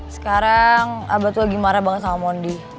sekarang abah tuh lagi marah banget sama mondi